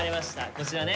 こちらね。